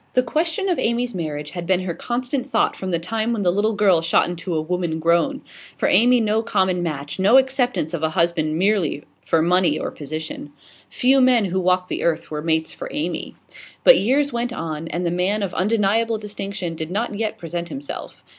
The question of Amy's marriage had been her constant thought from the time when the little girl shot into a woman grown. For Amy no common match, no acceptance of a husband merely for money or position. Few men who walked the earth were mates for Amy. But years went on, and the man of undeniable distinction did not yet present himself.